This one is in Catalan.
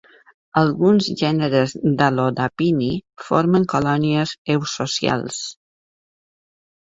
Alguns gèneres d'Allodapini formen colònies eusocials.